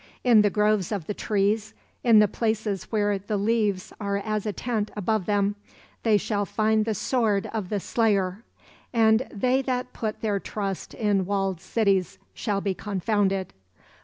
In the groves of the woods, in the places where the leaves are as a tent above them, they shall find the sword of the slayer; and they that put their trust in walled cities shall be confounded.